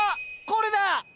これだ！